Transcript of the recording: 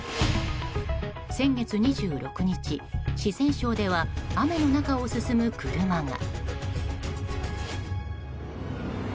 先月２６日、四川省では雨の中を進む車が。